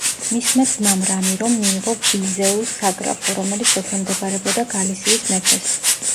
მისმა ძმამ რამირომ მიიღო ვიზეუს საგრაფო, რომელიც ექვემდებარებოდა გალისიის მეფეს.